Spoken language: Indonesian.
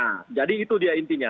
nah jadi itu dia intinya